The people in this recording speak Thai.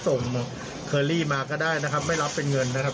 เคอรี่มาก็ได้นะครับไม่รับเป็นเงินนะครับ